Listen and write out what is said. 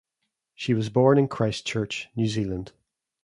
She was born in Christchurch, New Zealand.